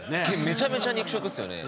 めちゃめちゃ肉食っすよね。